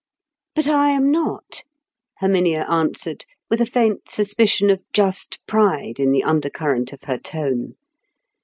"But I am not," Herminia answered, with a faint suspicion of just pride in the undercurrent of her tone.